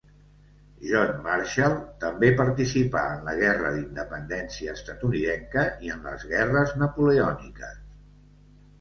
John Marshall també participà en la guerra d'Independència estatunidenca i en les guerres napoleòniques.